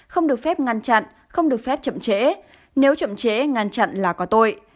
không được phép ngăn chặn không được phép chậm trễ nếu chậm trễ ngăn chặn là có tội